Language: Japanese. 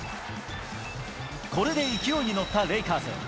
これで勢いに乗ったレイカーズ。